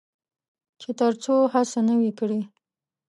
چې تر څو هڅه نه وي کړې.